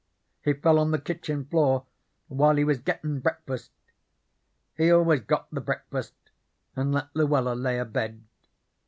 He fell on the kitchen floor while he was gettin' breakfast. He always got the breakfast and let Luella lay abed.